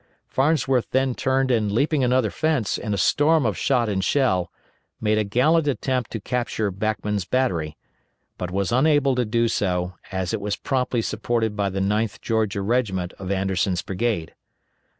Farnsworth then turned and leaping another fence in a storm of shot and shell, made a gallant attempt to capture Backman's battery, but was unable to do so, as it was promptly supported by the 9th Georgia regiment of Anderson's brigade.